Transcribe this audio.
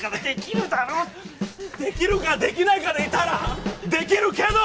できるかできないかで言ったらできるけど！